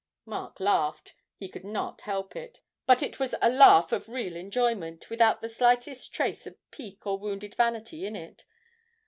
Mark laughed he could not help it but it was a laugh of real enjoyment, without the slightest trace of pique or wounded vanity in it.